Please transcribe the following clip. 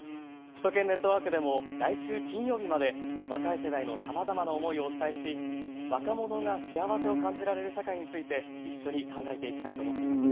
首都圏ネットワークでも来週金曜日まで若い世代のさまざまな思いをお伝えし若者が幸せを感じられる社会について一緒に考えていきたいと思っています。